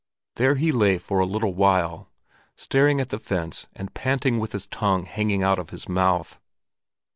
There he lay for a little while, staring at the fence and panting with his tongue hanging out of his mouth.